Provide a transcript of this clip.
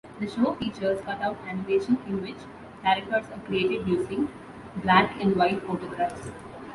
The show features cutout animation, in which characters are created using black-and-white photographs.